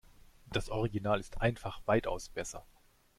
Das Original ist einfach weitaus besser.